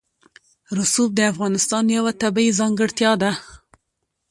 رسوب د افغانستان یوه طبیعي ځانګړتیا ده.